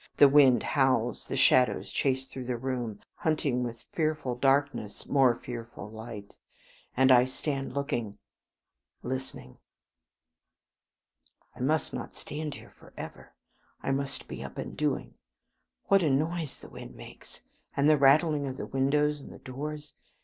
The wind howls, the shadows chase through the room, hunting with fearful darkness more fearful light; and I stand looking, ... listening. ......... I must not stand here for ever; I must be up and doing. What a noise the wind makes, and the rattling of the windows and the doors.